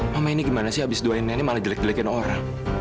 mama ini gimana sih abis doain nenek malah jelek jelekin orang